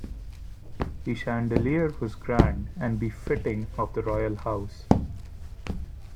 The chandelier was grand and befitting of the royal house.